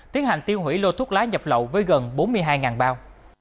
tiến hành tiêu hủy lô thuốc lá nhập lậu với gần bốn mươi hai bao